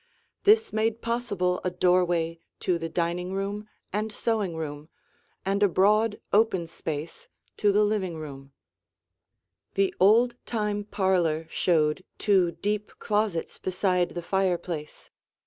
This made possible a doorway to the dining room and sewing room, and a broad open space to the living room. [Illustration: The Sun Parlor] The old time parlor showed two deep closets beside the fireplace.